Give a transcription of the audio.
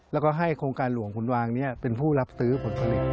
แล้วก็ให้โครงการหลวงขุนวางเป็นผู้รับซื้อผลผลิต